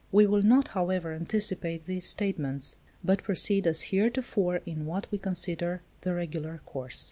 We will not, however, anticipate these statements, but proceed as heretofore in what we consider the regular course.